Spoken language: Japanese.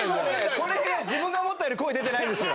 これ自分が思ったより声出てないんですよ